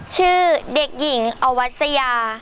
ชื่อเด็กหญิงอวัสยา